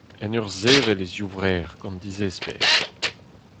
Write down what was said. En ur sevel e zivrec'h, gant disesper :